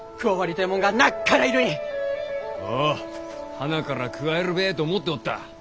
はなから加えるべえと思っておった。